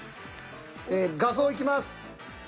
画像いきます。